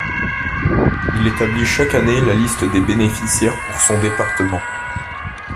Il établit chaque année la liste des bénéficiaires pour son département.